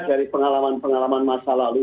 dari pengalaman pengalaman masa lalu